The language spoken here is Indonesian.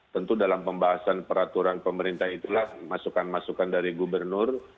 tentu dalam pembahasan peraturan pemerintah itulah masukan masukan dari gubernur